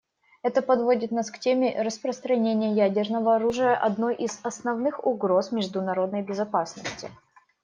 Это подводит нас к теме распространения ядерного оружия, одной из основных угроз международной безопасности.